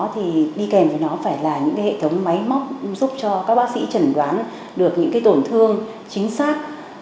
thì đi kèm với nó phải là những cái hệ thống máy móc giúp cho các bác sĩ chẩn đoán được những cái tổn thương chính xác